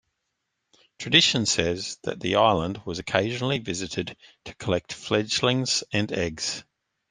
Tradition says that the island was occasionally visited to collect fledglings and eggs.